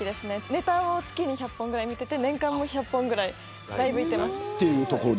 ネタを月に１００本ぐらい見ていてライブも年間１００本ぐらい行ってます。